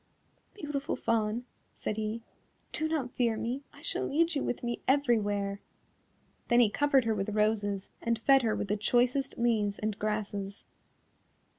"Beautiful Fawn," said he, "do not fear me, I shall lead you with me everywhere." Then he covered her with roses and fed her with the choicest leaves and grasses.